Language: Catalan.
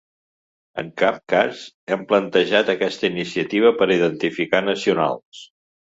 En cap cas hem plantejat aquesta iniciativa per identificar nacionals.